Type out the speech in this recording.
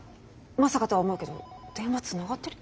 まさかとは思うけど電話つながってる？